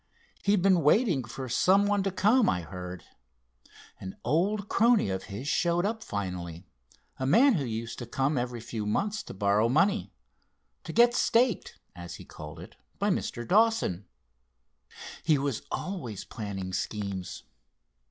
He'd been waiting for some one to come, I heard. An old crony of his showed up finally, a man who used to come every few months to borrow money, 'to get staked,' as he called it; by Mr. Dawson. He was always planning schemes.